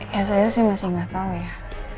ya saya sih masih gak tau ya